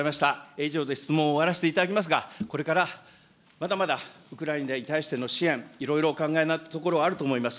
以上で質問を終わらせていただきますが、これからまだまだウクライナに対しての支援、いろいろお考えなところはあると思います。